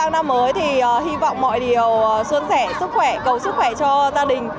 năm mới thì hy vọng mọi điều xuân sẻ sức khỏe cầu sức khỏe cho gia đình